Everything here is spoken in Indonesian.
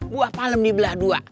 buah palem di belah dua